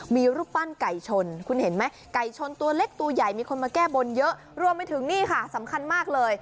มีรูปปั้นไก่ชนคุณเห็นไหมไก่ชนตัวเล็กตัวใหญ่มีคนมาแก้บนเยอะรวมไปถึงนี่ค่ะสำคัญมากเลย